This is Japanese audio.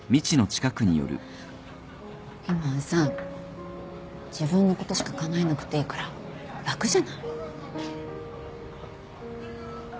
今はさ自分のことしか考えなくていいから楽じゃない。